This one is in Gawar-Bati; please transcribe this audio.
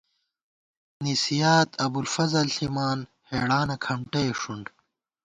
نسِیات ابوالفضل ݪِمان ہېڑانہ کھمٹَئےݭُنڈ